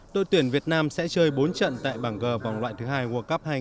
tội tuyển việt nam sẽ chơi bốn trận tại bảng g vòng loại thứ hai world cup hai nghìn hai mươi hai